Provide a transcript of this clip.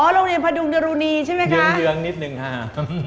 โรงเรียนพดุงดรุณีใช่ไหมคะเรืองนิดหนึ่งค่ะ